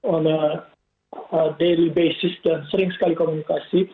on a daily basis dan sering sekali komunikasi